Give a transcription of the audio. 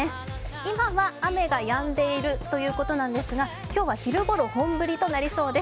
今は雨がやんでいるということなんですが今日は昼ごろ、本降りとなりそうです。